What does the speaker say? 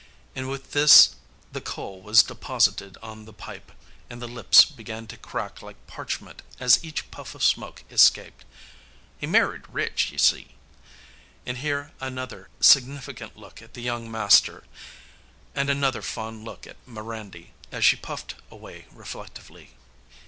and with this the coal was deposited on the pipe, and the lips began to crack like parchment as each puff of smoke escaped. "He married rich, you see," and here another significant look at the young master, and another fond look at Mirandy, as she puffed away reflectively.